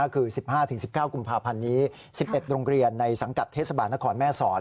คือ๑๕๑๙กุมภาพันธ์นี้๑๑โรงเรียนในสังกัดเทศบาลนครแม่สอด